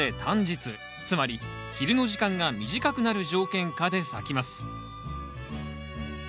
つまり昼の時間が短くなる条件下で咲きます